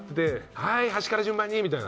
はい端から順番にみたいな？